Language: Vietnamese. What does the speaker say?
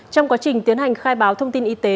trong quá trình tiến hành khai báo thông tin y tế